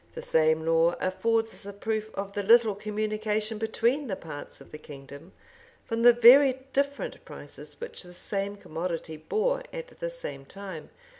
[*] The same law affords us a proof of the little communication between the parts of the kingdom, from the very different prices which the same commodity bore at the same time.